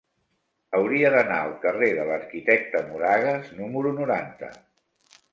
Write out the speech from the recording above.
Hauria d'anar al carrer de l'Arquitecte Moragas número noranta.